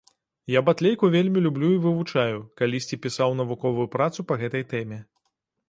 Я батлейку вельмі люблю і вывучаю, калісьці пісаў навуковую працу па гэтай тэме.